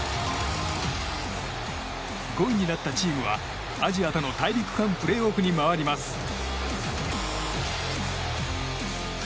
５位になったチームはアジアとの大陸間プレーオフに回ります。